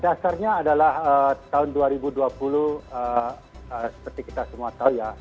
dasarnya adalah tahun dua ribu dua puluh seperti kita semua tahu ya